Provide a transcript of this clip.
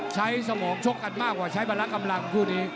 ใช้สมองชกกันมากกว่าใช้ประลักษณ์กำลังของคู่นี้